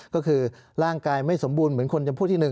ก็คือร่างกายไม่สมบูรณ์เหมือนคนจำพูดที่๑